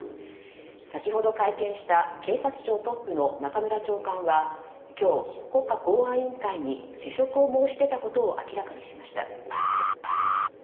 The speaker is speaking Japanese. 先ほど会見した警察庁トップの中村長官は今日、国家公安委員会に辞職を申し出たことを明らかにしました。